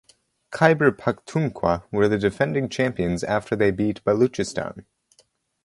Khyber Pakhtunkhwa were the defending champions after they beat Baluchistan.